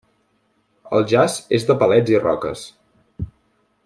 El jaç és de palets i roques.